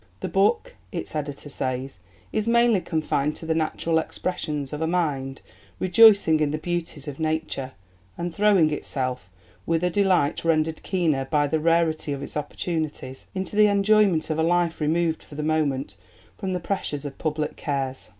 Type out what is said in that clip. "The book," its editor says, "is mainly confined to the natural expressions of a mind rejoicing in the beauties of nature, and throwing itself, with a delight rendered keener by the rarity of its opportunities, into the enjoyment of a life removed, for the moment, from the pressure of public cares."